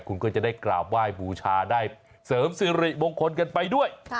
คุณก็จะได้กราบไหว้บูชาได้เสริมสิริมงคลกันไปด้วย